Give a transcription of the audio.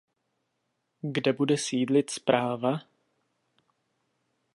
Kde bude sídlit správa?